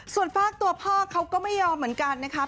ส่วนฝากตัวพ่อเขาก็ไม่ยอมเหมือนกันนะคะ